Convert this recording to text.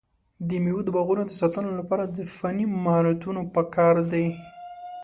د مېوو د باغونو د ساتنې لپاره د فني مهارتونو پکار دی.